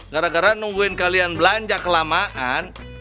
gara gara nungguin kalian belanja kelamaan